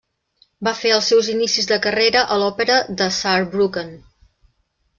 Va fer els seus inicis de carrera a l'òpera de Saarbrücken.